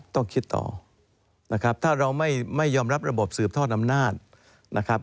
ต้องคิดต่อนะครับถ้าเราไม่ยอมรับระบบสืบทอดอำนาจนะครับ